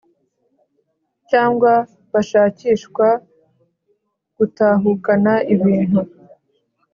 Cyangwa bashakishwa gutahukana ibintu